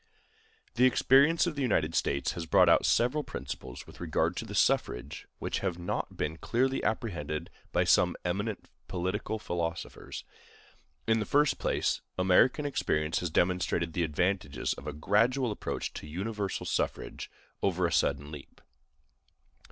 The experience of the United States has brought out several principles with regard to the suffrage which have not been clearly apprehended by some eminent political philosophers. In the first place, American experience has demonstrated the advantages of a gradual approach to universal suffrage, over a sudden leap.